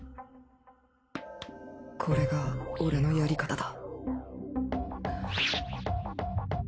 これが俺のやり方だ